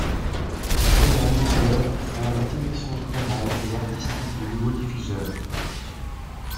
Johanne Dor prend la direction générale et artistique du nouveau diffuseur.